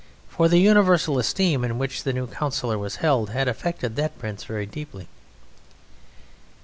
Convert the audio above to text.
For the universal esteem in which the new councillor was held had affected that Prince very deeply.